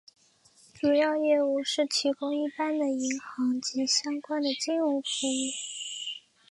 主要业务是提供一般的银行及相关的金融服务。